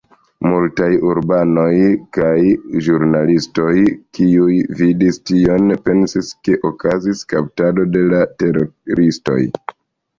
Multaj urbanoj kaj ĵurnalistoj, kiuj vidis tion, pensis ke okazis kaptado de la teroristoj.